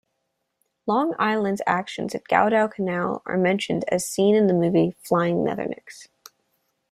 "Long Island"s actions at Guadalcanal are mentioned and seen in the movie "Flying Leathernecks".